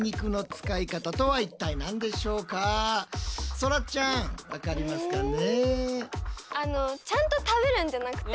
そらちゃん分かりますかね？